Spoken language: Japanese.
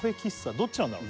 どっちなんだろう？